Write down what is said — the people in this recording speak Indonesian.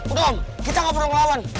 udom kita gak perlu ngelawan